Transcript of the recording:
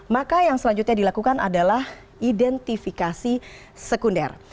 maka yang selanjutnya dilakukan adalah identifikasi sekunder